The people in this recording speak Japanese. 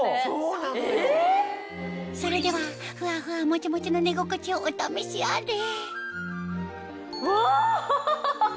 それではふわふわモチモチの寝心地をお試しあれうわハハハ！